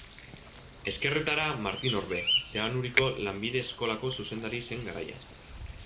Ezkerretara, Martin Orbe, Zeanuriko lanbide eskolako zuzendari zen garaian.